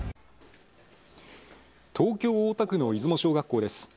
東京・大田区の出雲小学校です。